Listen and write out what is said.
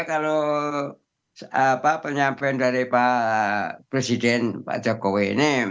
kalau penyampaian dari pak presiden pak jokowi ini